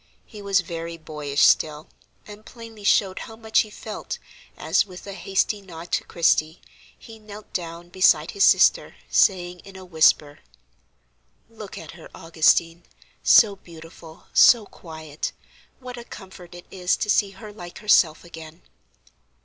He was very boyish still, and plainly showed how much he felt, as, with a hasty nod to Christie, he knelt down beside his sister, saying, in a whisper: "Look at her, Augustine! so beautiful, so quiet! What a comfort it is to see her like herself again."